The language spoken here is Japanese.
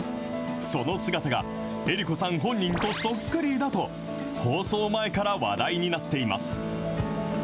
その姿が江里子さん本人とそっくりだと放送前から話題になっています。